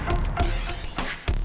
pertama kali di rumah